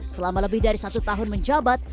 selama lebih dari satu tahun menjabat